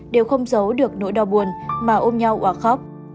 đều không giấu được nỗi đau buồn mà ôm nhau à khóc